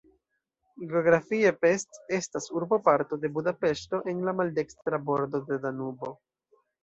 Geografie Pest estas urboparto de Budapeŝto en la maldekstra bordo de Danubo.